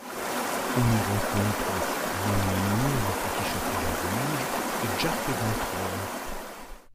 On y rencontre Lénine, le Petit Chaperon rouge et Jack l'Éventreur.